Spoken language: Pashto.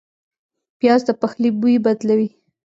پیاز د پخلي بوی بدلوي